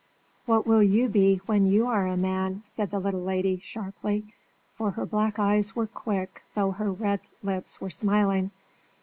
"What will you be when you are a man?" said the little lady, sharply, for her black eyes were quick though her red lips were smiling.